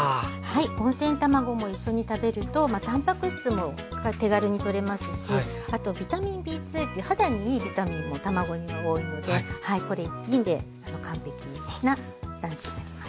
温泉卵も一緒に食べるとたんぱく質も手軽にとれますしあとビタミンＢ２という肌にいいビタミンも卵には多いのでこれ一品で完璧なランチになります。